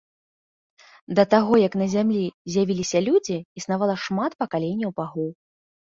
Да таго, як на зямлі з'явіліся людзі, існавала шмат пакаленняў багоў.